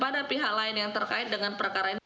pada pihak lain yang terkait dengan perkara ini